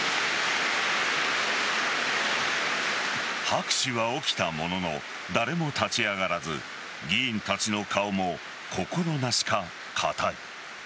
拍手は起きたものの誰も立ち上がらず議員たちの顔も、心なしか硬い。